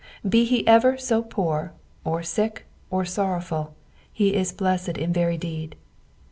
Be he ever so poor, or sick, or sorrowful, he is blessed in very deed.